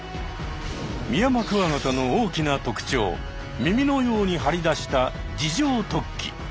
ミヤマクワガタの大きな特徴耳のように張り出した耳状突起。